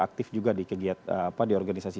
aktif juga di kegiatan apa di organisasi